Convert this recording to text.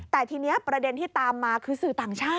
แต่ทีนี้ประเด็นที่ตามมาคือสื่อต่างชาติ